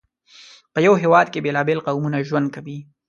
په یو هېواد کې بېلابېل قومونه ژوند کوي.